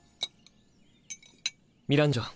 ミランジョ。